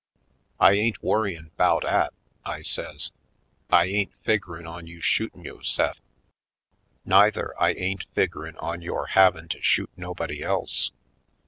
"I ain't worryin' 'bout 'at," I says; "I ain't figgerin' on you shootin' yo'se'f, neither I ain't figgerin' on yore havin' to shoot nobody else.